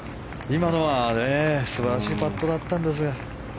今のは素晴らしいパットだったんですが。